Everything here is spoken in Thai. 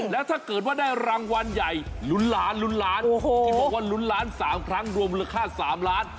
แล้วถ้าเกิดว่าได้รางวัลใหญ่หลุนล้านหลุนล้านโอ้โหที่บอกว่าหลุนล้านสามครั้งรวมราคาสามล้าน